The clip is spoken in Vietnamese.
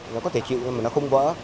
nó có thể chịu mà nó không vỡ